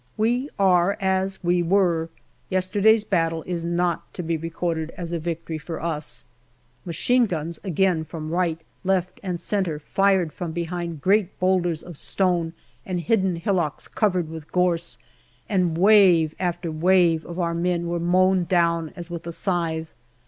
We are as we were yesterday's battle is not to be recorded as a victory for us. Machine guns AUGUST 211 again from right, left, and centre fired from behind great boulders of stone and hidden hillocks covered with gorse, and wave after wave of our men were mown down as with a scythe.